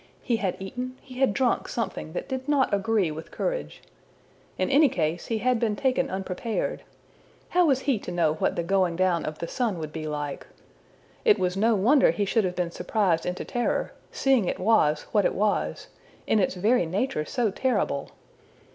He had eaten, he had drunk something that did not agree with courage! In any case he had been taken unprepared! How was he to know what the going down of the sun would be like? It was no wonder he should have been surprised into terror, seeing it was what it was in its very nature so terrible!